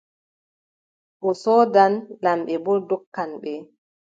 O soodan, lamɓe boo ndonkan ɓe.